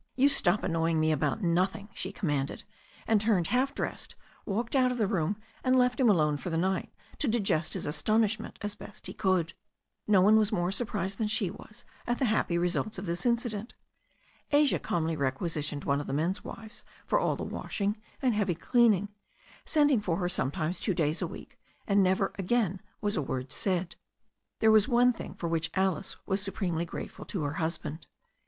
"You stop annoying me about nothing," she commanded, and turning half dressed, she walked out of the room and left him alone for the night, to digest his astonishment as best he could. No one was more surprised than she was at the happy results of this incident. Asia calmly requisitioned one of the men's wives for all the washing and heavy cleaning, sending for her sometimes two days a week, and never again was a word said. There was one thing for which Alice was supremely grateful to her husband.